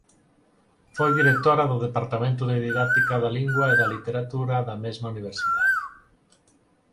Foi directora do Departamento de Didáctica da Lingua e da Literatura da mesma universidade.